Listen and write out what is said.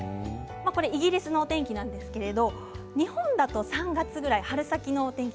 これはイギリスのお天気なんですけれど日本だと３月くらい、春先のお天気